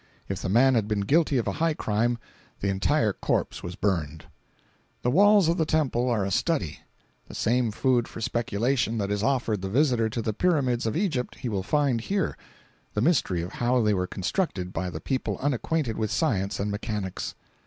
If the man had been guilty of a high crime, the entire corpse was burned. The walls of the temple are a study. The same food for speculation that is offered the visitor to the Pyramids of Egypt he will find here—the mystery of how they were constructed by a people unacquainted with science and mechanics.